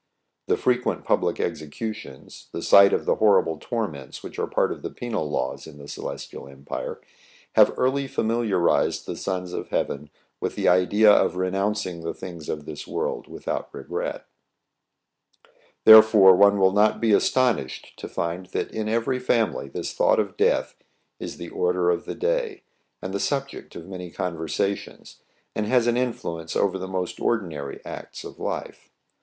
The frequent public executions, the sight of the horri ble torments which are part of the penal laws, in the Celestial Empire, have early familiarized the Sons of Heaven with the idea of renouncing the things of this world without regret. H^AYS AND CUSTOMS OF THE CHINESE, 71 Therefore one will not be astonished to find that in every family this thought of death is the order of the day, and the subject of many conver sations, and has an influence over the most ordi nary acts of life.